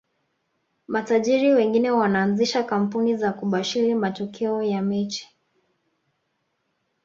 Matajiri wengine wanaanzisha kampuni za kubashili mayokeo ya mechi